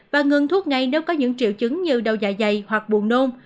và ngừng thuốc ngay nếu có những triệu chứng như đau dạ dày hoặc buồn nôn